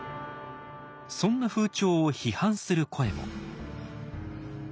そんな風潮を批判する声も。